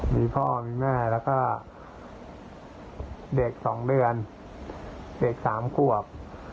มีพ่อมีแม่แล้วก็เด็ก๒เดือนเด็ก๓ขวบ